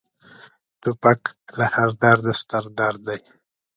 توپک له هر درده ستر درد دی.